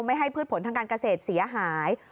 ให้พืชผลทางการเกษตรเสียหาย